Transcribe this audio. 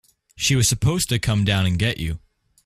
She was supposed to come down and get you.